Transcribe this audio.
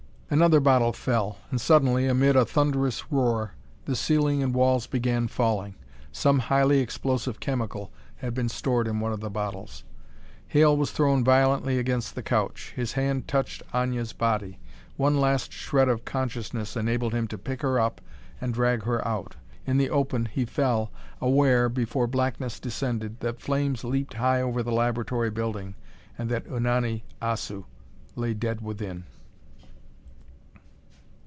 Another bottle fell, and, suddenly, amid a thunderous roar, the ceiling and walls began falling. Some highly explosive chemical had been stored in one of the bottles. Hale was thrown violently against the couch. His hand touched Aña's body. One last shred of consciousness enabled him to pick her up and drag her out. In the open, he fell, aware, before blackness descended, that flames leaped high over the laboratory building and that Unani Assu lay dead within.